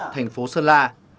thành phố sơn la